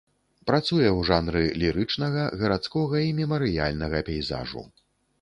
Працуе ў жанры лірычнага, гарадскога і мемарыяльнага пейзажу.